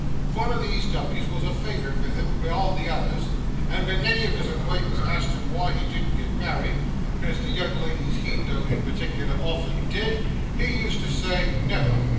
Vun o' these dummies wos a favrite vith him beyond the others; and ven any of his acquaintance asked him wy he didn't get married—as the young ladies he know'd, in partickler, often did—he used to say, "Never!